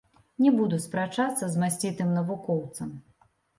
Не буду спрачацца з масцітым навукоўцам.